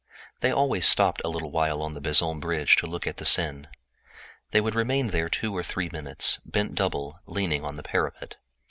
They always halted on the Bezons bridge to look at the Seine, and would remain there two or three minutes, bent double, leaning on the parapet.